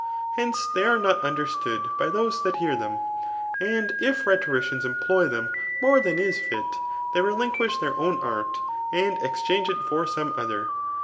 Hence, they are not understood by those that hear them, and if rhetoricians employ them more than is fit, they relinquish their own, ftrf, and exchange it for some other.